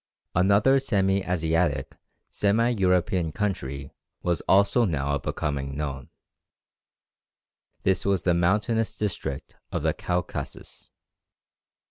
Another semi Asiatic semi European country was also now becoming known. This was the mountainous district of the Caucasus.